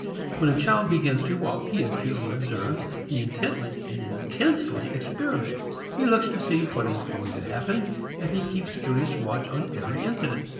When a child begins to walk he acutely observes, he intently and intensely experiments. He looks to see what is going to happen and he keeps curious watch on every incident.